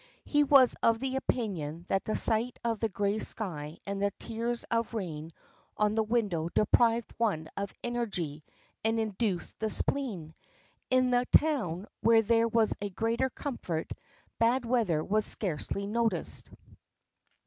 He was of the opinion that the sight of the grey sky and the tears of rain on the windows deprived one of energy and induced the spleen. In the town, where there was greater comfort, bad weather was scarcely noticed.